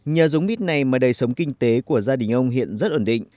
nhờ giống mít này mà đời sống kinh tế của gia đình ông hiện rất ổn định